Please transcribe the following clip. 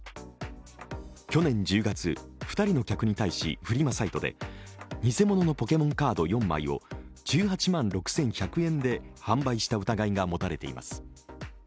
去年１０月、２人の客に対し、フリマサイトで偽物のポケモンカード４枚を１８万６１００円で販売した疑いが持たれています。